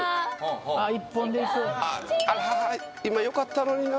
あっ今よかったのにな